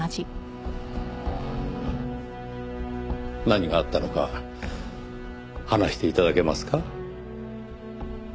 何があったのか話して頂けますか？